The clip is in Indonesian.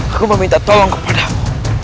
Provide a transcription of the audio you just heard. aku meminta tolong kepadamu